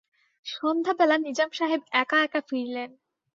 সন্ধ্যাবেল নিজাম সাহেব এক-একা ফিরলেন।